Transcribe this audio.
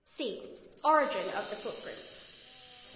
C. Origin of the Footprints.